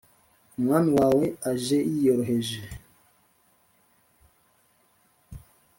Umwami wawe aje yiyoroheje